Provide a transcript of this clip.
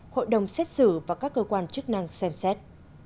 hội đồng xét xử và các cơ quan chức năng xem xét